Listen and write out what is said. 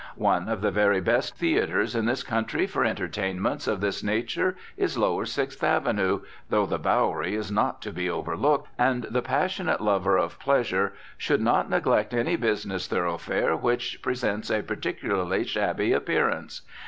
One of the very best theatres in this country for entertainments of this nature is lower Sixth Avenue, though the Bowery is not to be overlooked, and the passionate lover of pleasure should not neglect any business thoroughfare which presents a particularly shabby appearance.